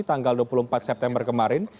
tanggal dua puluh empat september kemarin